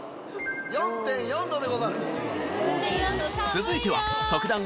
４．４℃でござる。